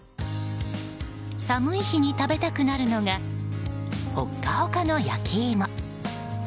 寒い日に食べたくなるのがホッカホカの焼き芋。